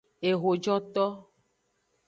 Ehojoto.